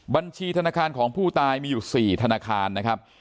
บัญชีธนาคารของผู้ตายมีอยู่๔ธนาคารนะครับ